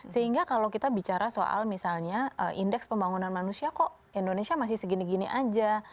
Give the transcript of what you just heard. sehingga kalau kita bicara soal misalnya indeks pembangunan manusia kok indonesia masih segini gini aja